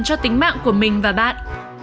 cho tính mạng của mình và bạn